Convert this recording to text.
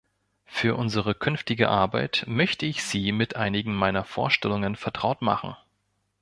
Für unsere künftige Arbeit möchte ich Sie mit einigen meiner Vorstellungen vertraut machen.